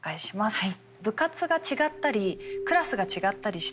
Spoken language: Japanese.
はい。